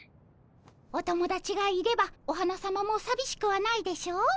おともだちがいればお花さまもさびしくはないでしょう？